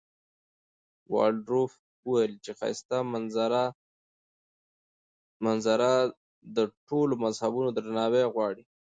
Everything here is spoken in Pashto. والډروف وویل چې ښایسته منظره د ټولو مذهبونو درناوی غواړي.